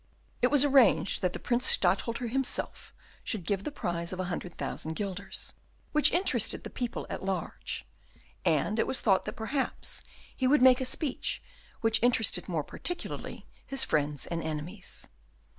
It was arranged that the Prince Stadtholder himself should give the prize of a hundred thousand guilders, which interested the people at large, and it was thought that perhaps he would make a speech which interested more particularly his friends and enemies.